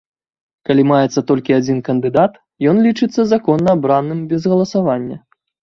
Калі маецца толькі адзін кандыдат, ён лічыцца законна абраным без галасавання.